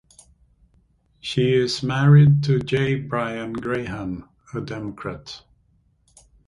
She is married to J. Brian Graham, a Democrat.